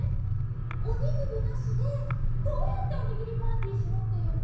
おにぎりなしでどうやっておにぎりパーティーしろっていうの？